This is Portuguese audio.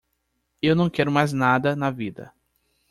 Eu não quero mais nada na vida.